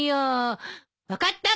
分かった？